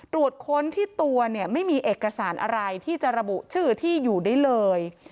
ตรวจค้นที่ตัวเนี่ยไม่มีเอกสารอะไรที่จะระบุชื่อที่อยู่ได้เลย